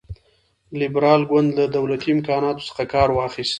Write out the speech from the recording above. لېبرال ګوند له دولتي امکاناتو څخه کار واخیست.